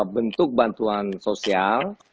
bentuk bantuan sosial